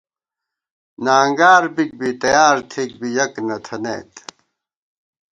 نانگار بِک بی ، تیار تھِک بی ، یَک نہ تھنَئیت